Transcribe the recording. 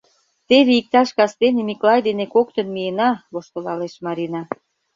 — Теве иктаж кастене Миклай дене коктын миена, — воштылалеш Марина.